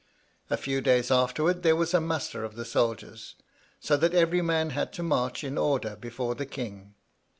A few days afterwards there was a muster of the soldiers, so that every man had to march in order before the king.